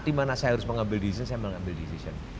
dimana saya harus mengambil decision saya mengambil decision